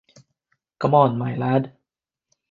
Come on, my lad.